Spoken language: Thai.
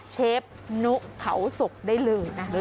เชฟนุเผาสุกได้เลยนะ